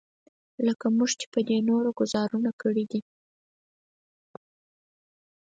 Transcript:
لکه موږ چې په دې نورو ګوزارونو کړی دی.